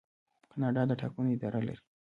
کاناډا د ټاکنو اداره لري.